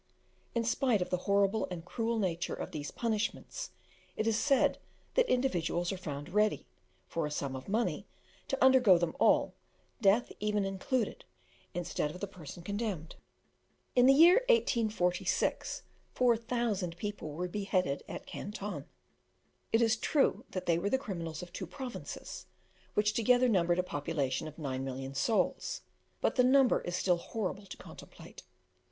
In spite of the horrible and cruel nature of these punishments, it is said that individuals are found ready, for a sum of money, to undergo them all, death even included, instead of the person condemned. In the year 1846, 4,000 people were beheaded at Canton. It is true that they were the criminals of two provinces, which together numbered a population of 9,000,000 souls, but the number is still horrible to contemplate.